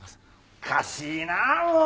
おかしいなあもう！